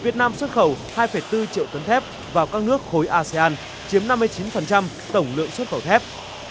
hai bốn triệu tấn thép vào các nước khối asean chiếm năm mươi chín tổng lượng xuất khẩu thép